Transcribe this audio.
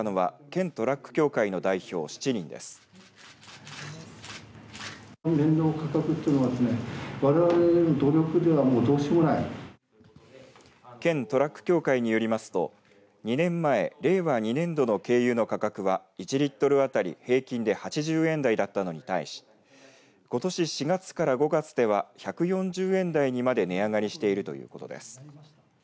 県トラック協会によりますと２年前令和２年度の軽油の価格は１リットル当たり平均で８０円台だったのに対しことし４月から５月では１４０円台にまで値上がりしているということです。